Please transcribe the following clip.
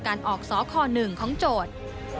การออกสค๑ของโจทย์